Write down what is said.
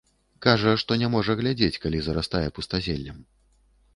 Кажа, што не можа глядзець, калі зарастае пустазеллем.